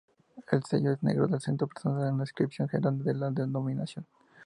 El sello es negro en el centro presenta una inscripción grande de la denominación.